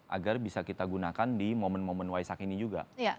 agar bisa kita gunakan di momen momen waisak ini juga